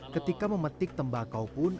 ketika memetik tembakau pun